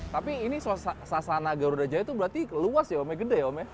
tapi ini sasana garuda jaya itu berarti luas ya omnya gede ya om ya